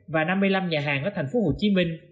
và năm mươi năm nhà hàng ở tp hcm